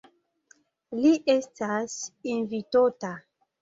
Li estas invitota.